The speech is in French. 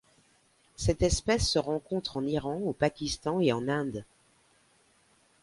Cette espèce se rencontre en Iran, au Pakistan et en Inde.